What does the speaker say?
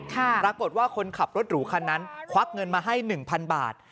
ปรากฏว่าคนขับรถหรูคันนั้นควักเงินมาให้๑๐๐บาท